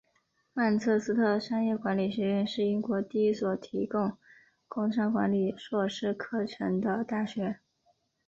曼彻斯特商业管理学院是英国第一所提供工商管理硕士课程的大学。